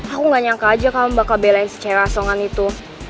aku gak nyangka aja kamu bakal belain secara asongan itu